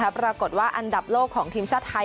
ปรากฏว่าอันดับโลกของทีมชาติไทย